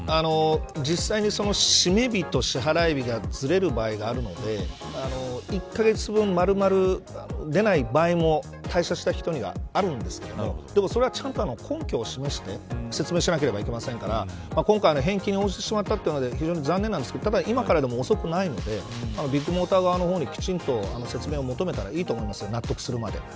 実際に締め日と支払日がずれる場合があるので１カ月分丸々出ない場合も退社した人にはあるんですけれどもでも、それはちゃんと根拠を示して説明しなければいけませんから今回、返金に応じてしまったというのでいろいろ残念なんですがただ、今からでも遅くないのでビッグモーター側にきちんと説明を求めたらいいと思います。